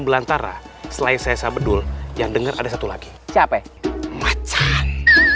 belantara selain saya sabedul yang dengar ada satu lagi siapa macan